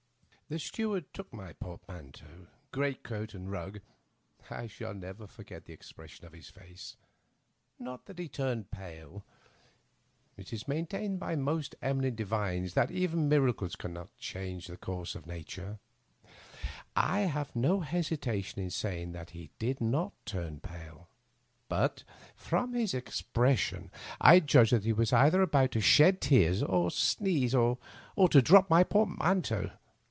The steward took my portmanteau, great coat, and rug. I shall never forget the expression of his face. Not that he turned pale. It is maintained by the most eminent divines that even miracles can not change the Digitized by VjOOQIC 22 TEE UPPER BEETK coarse of natnre. I have no hesitation in saying that he did not tnm pale ; bnt, from his expression, I judged that he was either about to shed tears, to sneeze, or to drop my portmantean.